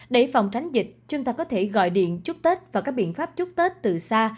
để phòng tránh dịch chúng ta có thể gọi điện chúc tết và các biện pháp chúc tết từ xa